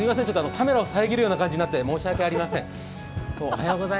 カメラを遮るような感じになって申し訳ありません。